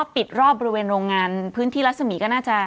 ปิดรอบบริเวณโรงงานพื้นที่รัศมีร์ก็น่าจะ